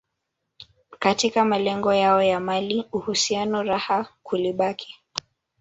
katika malengo yao ya mali uhusiano raha kulibaki